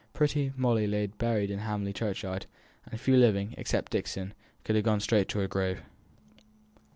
Pretty Molly lay buried in Hamley churchyard, and few living, except Dixon, could have gone straight to her grave.